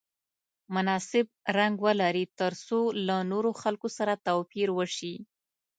مناسب رنګ ولري ترڅو له نورو خلکو سره توپیر وشي.